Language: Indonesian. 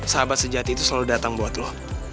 sahabat sejati itu selalu datang buat lo